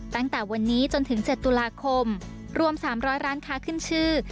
ตั้งแต่วันนี้จนถึง๗ตุลาคมรวม๓๐๐ร้านค้าขึ้นชื่อ